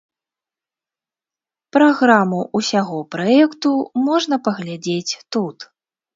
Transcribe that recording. Праграму ўсяго праекту можна паглядзець тут.